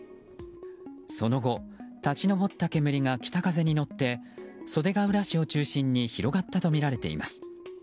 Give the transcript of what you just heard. その後、立ち上った煙が北風に乗って袖ケ浦市を中心に広がったとみられています。